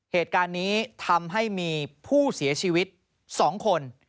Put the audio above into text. เหตุการณ์นี้ทำให้มีผู้เสียชีวิต๒คน